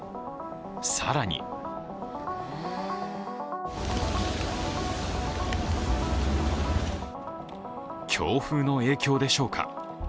更に強風の影響でしょうか。